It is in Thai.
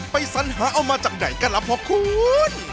ไปสัญหาเอามาจากไหนก็รับขอบคุณ